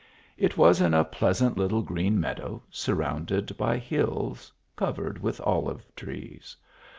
It was in a pleasant little green meadow, sur rounded by hills covered with olive trees.